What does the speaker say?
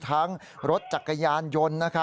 อ้าว